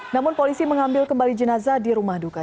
namun polisi mengambil kembali jenazah di rumah duka